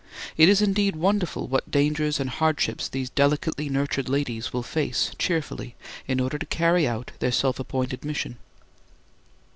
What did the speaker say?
It is indeed wonderful what dangers and hardships these delicately nurtured ladies will face cheerfully in order to carry out their self appointed mission.